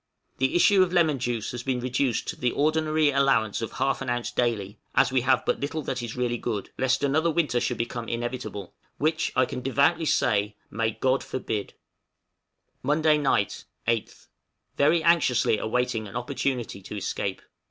The issue of lemon juice has been reduced to the ordinary allowance of half an ounce daily (as we have but little that is really good), lest another winter should become inevitable, which, I can devoutly say, may God forbid! {WAITING TO ESCAPE.} Monday night, 8th. Very anxiously awaiting an opportunity to escape.